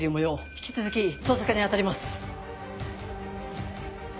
引き続き捜索に当たります。